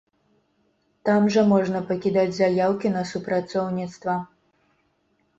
Там жа можна пакідаць заяўкі на супрацоўніцтва.